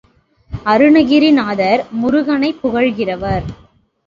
Arunagirinathar முருகனைப் புகழ்கிறவர்.